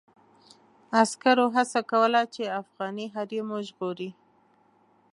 عسکرو هڅه کوله چې افغاني حريم وژغوري.